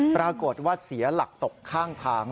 ปรากฏว่าเสียหลักตกข้างทาง